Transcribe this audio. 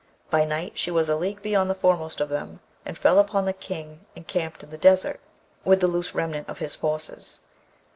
By night she was a league beyond the foremost of them, and fell upon the King encamped in the Desert, with the loose remnant of his forces.